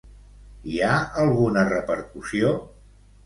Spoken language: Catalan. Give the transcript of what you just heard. Hi ha alguna repercussió?